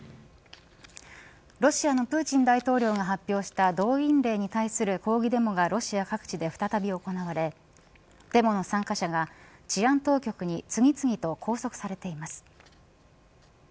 ロシアのプーチン大統領が発表した動員令に対する抗議デモがロシア各地で再び行われデモの参加者が治安当局に次々と拘束されています。